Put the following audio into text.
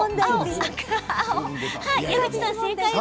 矢口さん、正解は？